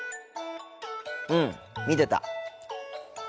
うん見てた。